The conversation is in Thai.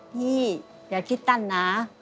อย่าคิดสั้นนะ